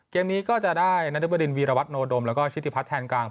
เกมนี้ก็จะได้นรบดินวีรวัตโนดมแล้วก็ชิติพัฒนแทนกลาง